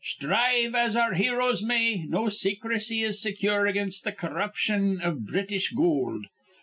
Sthrive as our heroes may, no secrecy is secure against th' corruption iv British goold.